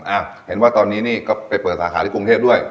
เห็นว่าตอนนี้นี่ก็ไปเปิดสาขาที่กรุงเทพด้วย